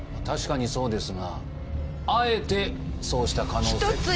確かにそうですがあえてそうした可能性。